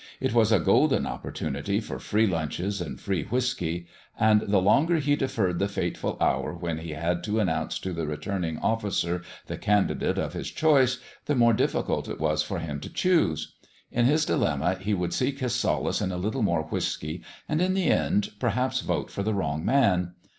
It was a golden opportunity for free lunches and free whiskey; and the longer he deferred the fateful hour when he had to announce to the returning officer the candidate of his choice, the more difficult it was for him to choose. In his dilemma he would seek his solace in a little more whiskey, and, in the end, perhaps vote for the wrong man.